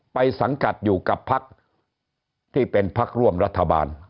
ไปสังกัดอยู่กับภักดิ์ที่เป็นภักดิ์ร่วมรัฐบาล